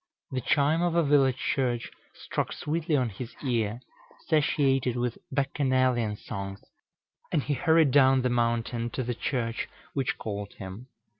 The chime of a village church struck sweetly on his ear, satiated with Bacchanalian songs; and he hurried down the mountain to the church which called him.